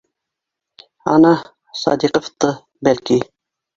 — Ана, Садиҡовты, бәлки